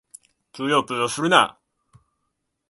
ぷよぷよするな！